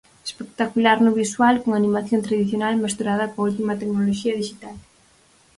Espectacular no visual, con animación tradicional mesturada coa última tecnoloxía dixital.